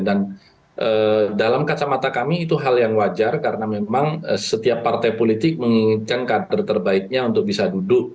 dan dalam kacamata kami itu hal yang wajar karena memang setiap partai politik menginginkan kader terbaiknya untuk bisa duduk